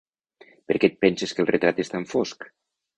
Per què et penses que el retrat és tan fosc?